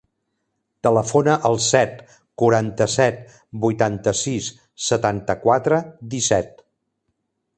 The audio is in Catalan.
Telefona al set, quaranta-set, vuitanta-sis, setanta-quatre, disset.